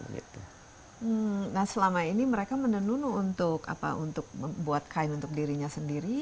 nah selama ini mereka menenun untuk membuat kain untuk dirinya sendiri